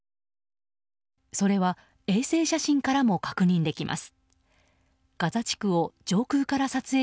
それは衛星写真からも確認できます。